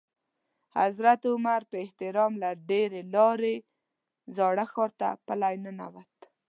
حضرت عمر په احترام له همدې لارې زاړه ښار ته پلی ننوت.